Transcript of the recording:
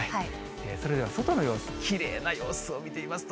それでは外の様子、きれいな様子を見てみますと。